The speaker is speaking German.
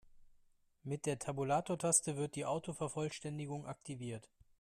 Mit der Tabulatortaste wird die Autovervollständigung aktiviert.